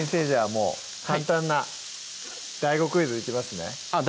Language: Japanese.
もう簡単なＤＡＩＧＯクイズいきますねあっ